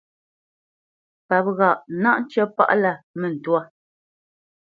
Páp ghâʼ: náʼ ncə́ pâʼlâ mə ntwâ.